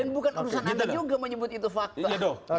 dan bukan urusan anda juga menyebut itu fakta